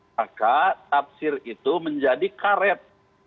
maka tafsir itu menjadi karet